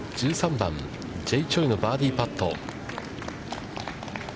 １３番、Ｊ・チョイのバーディーパット。